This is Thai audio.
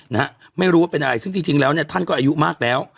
นะฮะไม่รู้ว่าเป็นอะไรซึ่งจริงจริงแล้วเนี่ยท่านก็อายุมากแล้ว